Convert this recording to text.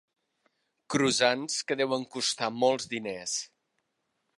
Croissants que deuen costar molts diners.